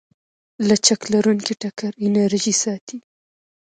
لچک لرونکی ټکر انرژي ساتي.